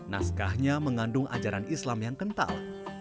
naskahnya mengandung ajaran islam yang kental